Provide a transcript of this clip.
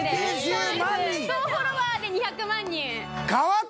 総フォロワーで２００万人！